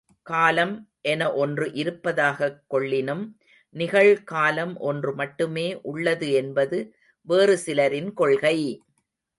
காலம் என ஒன்று இருப்பதாகக் கொள்ளினும் நிகழ் காலம் ஒன்று மட்டுமே உள்ளது என்பது வேறு சிலரின் கொள்கை!